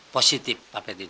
positif pak pettinan